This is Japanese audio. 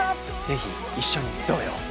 是非一緒にどうよ？